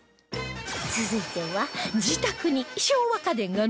続いては